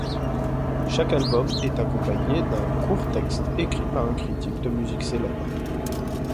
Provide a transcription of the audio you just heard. Chaque album est accompagné d'un court texte écrit par un critique de musique célèbre.